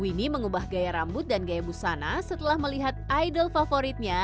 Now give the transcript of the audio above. winnie mengubah gaya rambut dan gaya busana setelah melihat idol favoritnya